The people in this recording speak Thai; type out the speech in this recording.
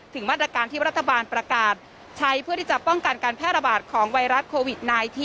มาตรการที่รัฐบาลประกาศใช้เพื่อที่จะป้องกันการแพร่ระบาดของไวรัสโควิด๑๙